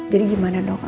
jadi gimana dok